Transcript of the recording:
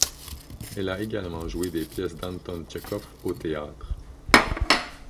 Elle a également joué des pièces d'Anton Tchekhov au théâtre.